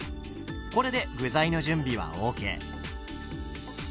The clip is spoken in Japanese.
これで具材の準備はＯＫ。